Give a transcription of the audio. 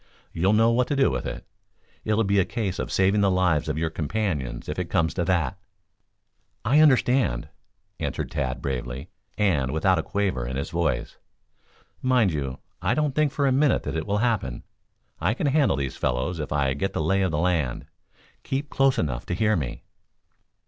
You'll know what to do with it. It'll be a case of saving the lives of your companions if it comes to that." "I understand," answered Tad bravely; and without a quaver in his voice. "Mind you, I don't think for a minute that it will happen. I can handle these fellows if I get the lay of the land. Keep close enough to hear me."